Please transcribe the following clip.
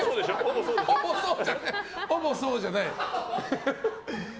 ほぼそうじゃない。